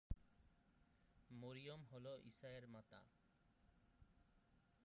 মরিয়ম হলেন ঈসা এর মাতা।